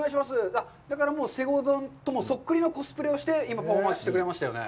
だから西郷どんとそっくりのコスプレをして、パフォーマンスしてくださいましたよね。